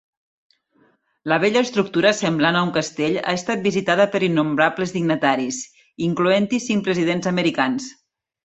La vella estructura semblant a un castell ha estat visitada per innombrables dignataris, incloent-hi cinc presidents americans.